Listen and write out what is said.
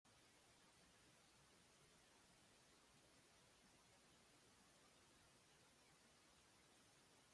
Hay tres especies que son reconocidas corrientemente, de las cuales no hay subespecies.